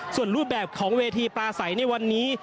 ส่วนรูปแบบของเวทีปลาใสในวันนี้